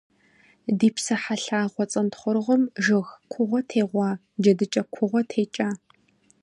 Ди псыхьэ лъагъуэ цӏэнтхъуэрыгъуэм жыг кугъуэ тегъуа, джэдыкӏэ кугъуэ текӏа.